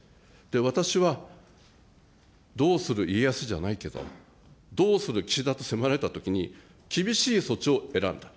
私は、どうする家康じゃないけど、どうする岸田と迫られたときに、厳しい措置を選んだ。